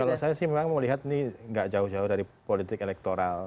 kalau saya sih memang mau lihat ini nggak jauh jauh dari politik elektoral